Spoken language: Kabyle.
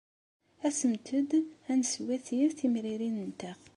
Asemt-d ad neswati timrinin-nteɣ!